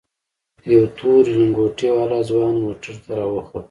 يو تورې لنگوټې والا ځوان موټر ته راوخوت.